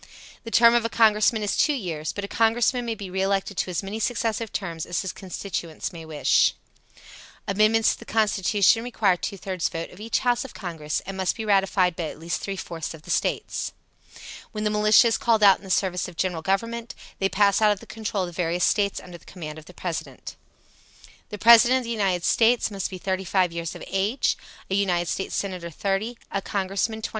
The term of a Congressman is two years, but a Congressman may be re elected to as many successive terms as his constituents may wish. Amendments to the Constitution requires two thirds vote of each house of Congress and must be ratified by at least three fourths of the States. When the militia is called out in the service of the General Government, they pass out of the control of the various States under the command of the President. The President of the United States must be 35 years of age: a United States Senator, 30; a Congressman, 25.